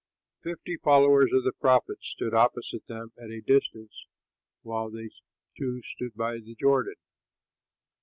Fifty followers of the prophets stood opposite them at a distance, while they two stood by the Jordan.